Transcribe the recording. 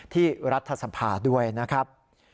ที่รัฐสัมภาษณ์ด้วยนะครับ